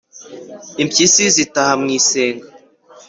impyisi zitaha mu isenga